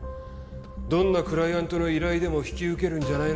どんなクライアントの依頼でも引き受けるんじゃないのか？